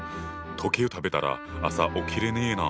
時計を食べたら朝起きれねえな。